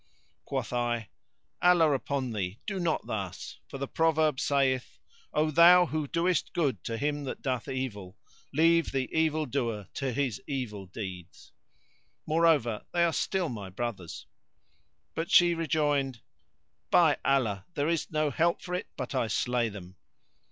Quoth I, "Allah upon thee, do not thus, for the proverb saith, O thou who doest good to him that doth evil, leave the evil doer to his evil deeds. Moreover they are still my brothers." But she rejoined, "By Allah, there is no help for it but I slay them."